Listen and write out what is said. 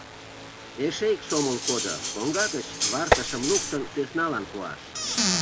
Эше ик сомыл кодо: коҥга гыч вартышым луктын, сӧсналан пуаш.